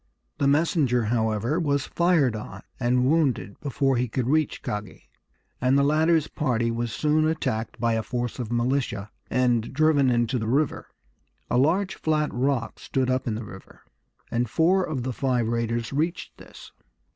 The messenger, however, was fired on and wounded before he could reach Kagi, and the latter's party was soon attacked by a force of militia, and driven into the river. A large flat rock stood up in the river, and four of the five raiders reached this.